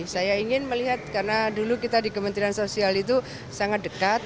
saya ingin melihat karena dulu kita di kementerian sosial itu sangat dekat